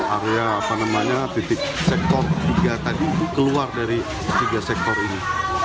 area apa namanya titik sektor tiga tadi keluar dari tiga sektor ini